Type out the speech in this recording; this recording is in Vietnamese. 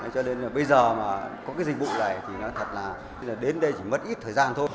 cho đến bây giờ mà có cái dịch vụ này thì nó thật là đến đây chỉ mất ít thời gian thôi